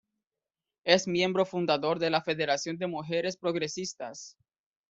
Es miembro fundador de la Federación de Mujeres Progresistas.